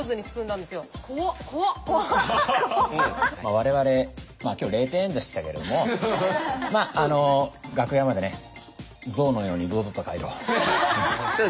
我々今日０点でしたけどもまあ楽屋までね象のように堂々と帰ろう。